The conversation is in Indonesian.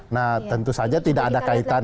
nah tentu saja tidak ada kaitan